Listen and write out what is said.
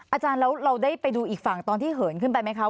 อาจารย์แล้วเราได้ไปดูอีกฝั่งตอนที่เหินขึ้นไปไหมคะ